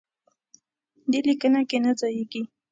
دې لیکنه کې نه ځایېږي.